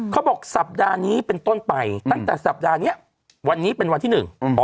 เขาบอกสัปดาห์นี้เป็นต้นไปตั้งแต่สัปดาห์นี้วันนี้เป็นวันที่หนึ่ง